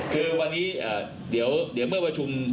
คือวันนี้เดี๋ยวเมื่อประชุม